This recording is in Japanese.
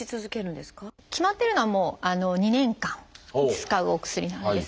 決まってるのは２年間使うお薬なんですね。